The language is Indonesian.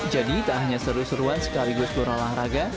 jadi tak hanya seru seruan sekaligus berolahraga